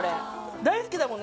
大好きだもんね。